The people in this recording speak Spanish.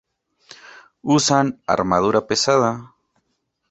Usan armadura pesada.